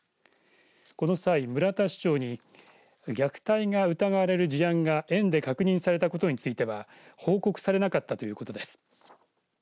この際、村田市長に虐待が疑われる事案が園で確認されたことについては報告されなかったということです。